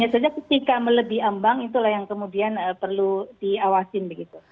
ternyata jika melebihi ambang itulah yang kemudian perlu diawasin begitu